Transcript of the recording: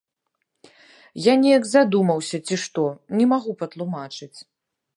Я неяк задумаўся ці што, не магу патлумачыць.